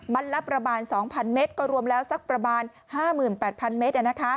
ละประมาณ๒๐๐เมตรก็รวมแล้วสักประมาณ๕๘๐๐เมตร